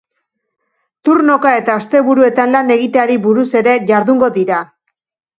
Turnoka eta asteburuetan lan egiteari buruz ere jardungo dira.